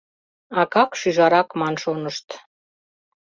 Акак-шӱжарак ман шонышт.